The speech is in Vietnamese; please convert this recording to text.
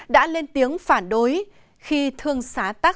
đã lên tiếng phản đối khi thương xá tax